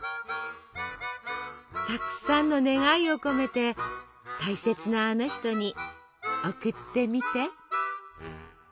たくさんの願いを込めて大切なあの人に贈ってみて！